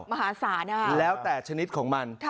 มหาศาลแล้วแต่ชนิดของมัน